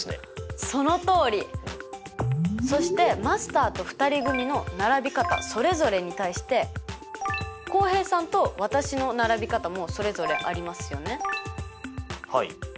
そしてマスターと２人組の並び方それぞれに対して浩平さんと私の並び方もそれぞれありますよね。